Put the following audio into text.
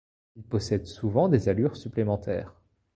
Il possède souvent des allures supplémentaires.